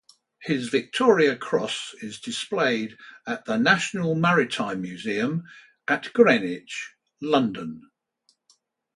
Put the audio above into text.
His Victoria Cross is displayed at the National Maritime Museum at Greenwich, London.